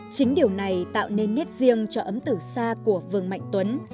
chính điều này tạo nên nét riêng cho ấm từ xa của vương mạnh tuấn